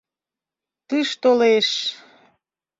Тыш толеш